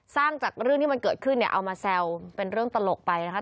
จากเรื่องที่มันเกิดขึ้นเนี่ยเอามาแซวเป็นเรื่องตลกไปนะคะ